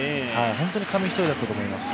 本当に紙一重だったと思います。